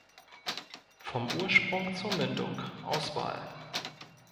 Vom Ursprung zur Mündung, Auswahl.